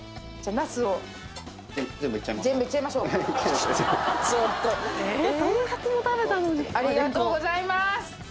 ありがとうございます！